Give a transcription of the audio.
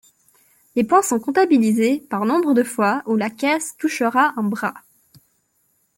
Les points sont comptabilisés par nombre de fois où la caisse touchera un bras.